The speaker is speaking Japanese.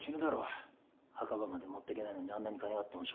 墓場まで持ってけないのにあんなに金があってもしょうがない。